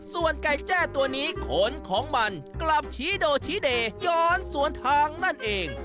ส่วนไก่แจ้ตัวนี้ขนของมันกลับชี้โดชี้เดย้อนสวนทางนั่นเอง